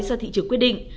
do thị trường quyết định